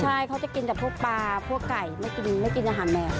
ใช่เขาจะกินจากพวกปลาพวกไก่ไม่กินอาหารแมว